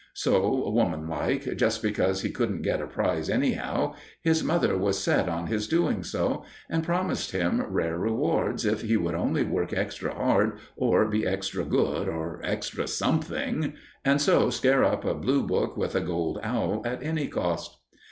So, woman like, just because he couldn't get a prize anyhow, his mother was set on his doing so, and promised him rare rewards if he would only work extra hard, or be extra good, or extra something, and so scare up a blue book with a gold owl at any cost.